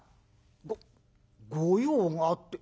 「ご御用があって？